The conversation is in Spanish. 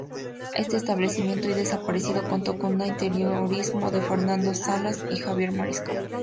Este establecimiento, hoy desaparecido, contó con un interiorismo de Fernando Salas y Javier Mariscal.